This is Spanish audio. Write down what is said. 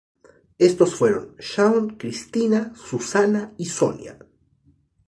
Estos fueron Shaun, Cristina, Susana y Sonia.